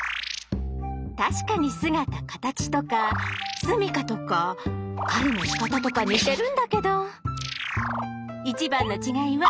確かに姿形とか住みかとか狩りのしかたとか似てるんだけど一番の違いは。